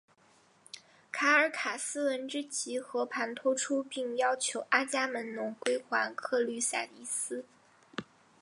卡尔卡斯闻之即和盘托出并要求阿伽门侬归还克律塞伊斯。